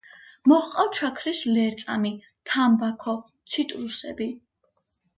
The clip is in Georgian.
მოჰყავთ შაქრის ლერწამი, თამბაქო, ციტრუსები.